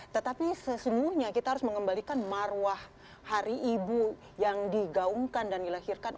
tetapi sesungguhnya kita harus mengembalikan marwah hari ibu yang digaungkan dan dilahirkan